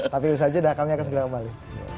tapi itu saja dah kami akan segera kembali